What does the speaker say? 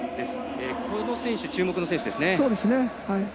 この選手、注目の選手ですね。